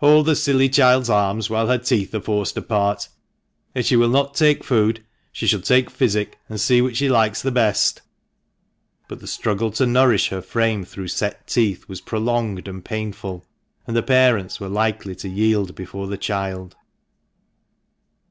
Hold the silly child's arms whilst her teeth are forced apart. If she THB MANCHESTER MAN. 379 will no take food, she shall take physic, and see which she likes the best." But the struggle to nourish her frame through set teeth was prolonged and painful, and the parents were likely to yield before the child.